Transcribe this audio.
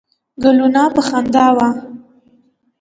ګلونه په خندا وه.